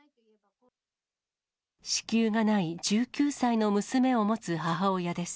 子宮がない１９歳の娘を持つ母親です。